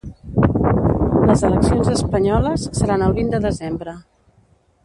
Les eleccions espanyoles seran el vint de desembre.